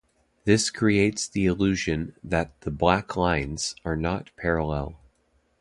This creates the illusion that the black lines are not parallel.